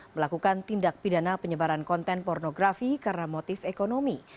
melakukan tindak pidana penyebaran konten pornografi karena motif ekonomi